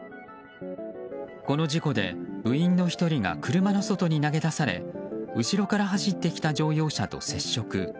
この事故で部員の１人が車の外に投げ出され後ろから走ってきた乗用車と接触。